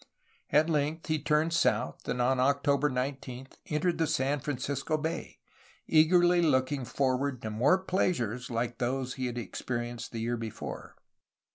At length, he turned south and on October 19 entered San Francisco Bay, eagerly looking for ward to more pleasures like those he had experienced the year before.